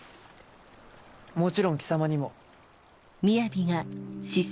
もちろん貴様にも。